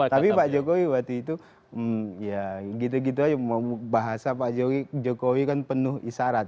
tapi pak jokowi waktu itu ya gitu gitu aja bahasa pak jokowi kan penuh isyarat